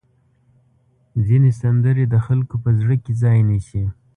ځینې سندرې د خلکو په زړه کې ځای نیسي.